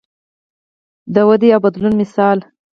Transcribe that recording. د ودې او بدلون مثال.